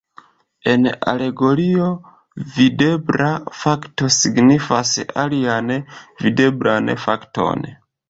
En alegorio, videbla fakto signifas alian videblan fakton.